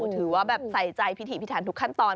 ถือว่าแบบใส่ใจพิถีพิถันทุกขั้นตอน